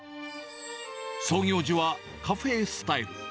創業時はカフェスタイル。